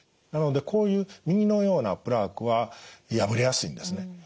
なのでこういう右のようなプラークは破れやすいんですね。